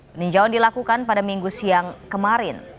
peninjauan dilakukan pada minggu siang kemarin